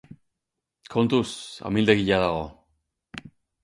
Kontuz! Amildegia dago!!!